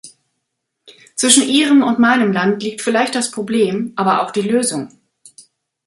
Zwischen Ihrem und meinem Land liegt vielleicht das Problem, aber auch die Lösung.